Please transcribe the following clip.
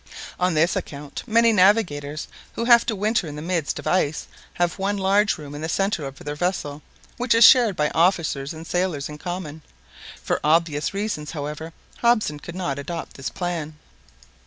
On this account many navigators who have to winter in the midst of ice have one large room in the centre of their vessel, which is shared by officers and sailors in common. For obvious reasons, however, Hobson could not adopt this plan.